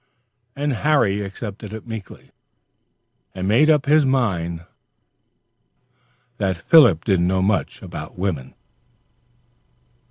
And Harry accepted it meekly, and made up his own mind that Philip didn't know much about women.